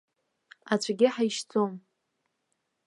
Аӡәгьы ҳаишьӡом.